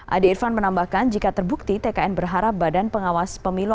ade irfan menambahkan jika terbukti tkn berharap badan pengawas pemilu